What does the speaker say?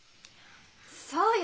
そうよ。